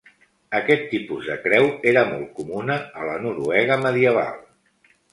Aquest tipus de creu era molt comuna a la Noruega medieval.